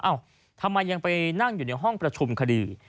ทำไมยังไปนั่งอยู่ในห้องประชุมคดี